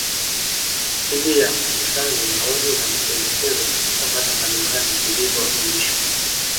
ili yakusanywe maoni na mapendekezo Katika mada mbalimbali zilizowasilishwa